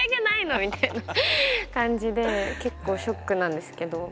みたいな感じで結構ショックなんですけど。